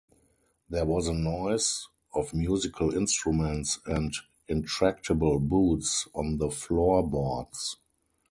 There was a noise of musical instruments and intractable boots on the floorboards.